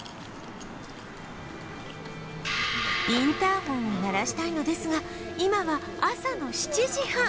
インターホンを鳴らしたいのですが今は朝の７時半